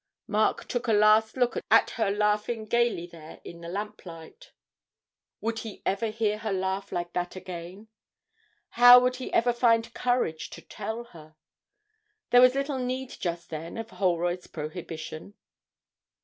Mark took a last look at her laughing gaily there in the lamplight. Would he ever hear her laugh like that again? How would he ever find courage to tell her? There was little need just then of Holroyd's prohibition.